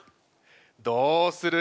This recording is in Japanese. どうする？